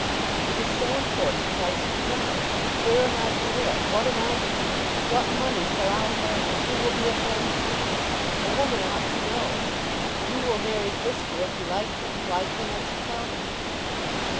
"It is so important I should know. Where am I to live? What am I to do? What money shall I have? Who will be a friend to me? A woman ought to know. You will marry Fisker if you like him. Why cannot you tell me?"